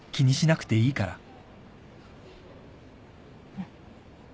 うん。